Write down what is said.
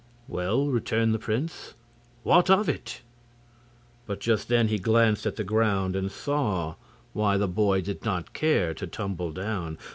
"Well," returned the prince, "what of it?" But just then he glanced at the ground and saw why the boy did not care to tumble down.